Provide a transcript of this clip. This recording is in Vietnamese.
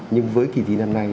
nhưng với kỳ thi năm nay